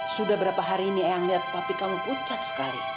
sudah berapa hari ini eang lihat papi kamu pucat sekali